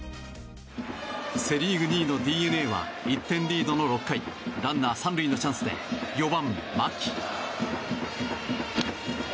セ・リーグ２位のＤｅＮＡは１点リードの６回ランナー３塁のチャンスで４番、牧。